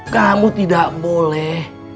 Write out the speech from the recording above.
kamu tidak boleh